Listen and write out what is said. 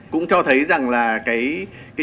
cũng cho thấy rằng là cái chủ đề này